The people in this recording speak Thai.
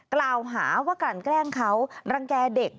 กล่าวหาว่ากลั่นแกล้งเขารังแก่เด็ก